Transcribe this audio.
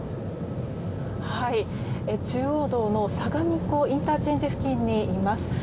中央道の相模湖ＩＣ付近にいます。